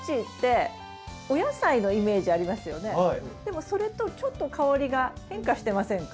でもそれとちょっと香りが変化してませんか？